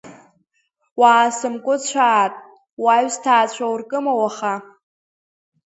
Уаасымскәыцәаат, уаҩсҭаацәа уркыма уаха?!